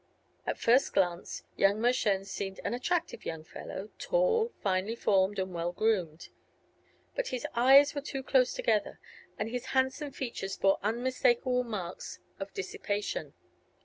At first glance young Mershone seemed an attractive young fellow, tall, finely formed and well groomed. But his eyes were too close together and his handsome features bore unmistakable marks of dissipation.